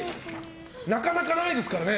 なかなかないですからね。